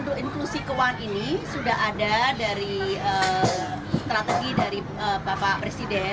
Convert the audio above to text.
untuk inklusi keuangan ini sudah ada dari strategi dari bapak presiden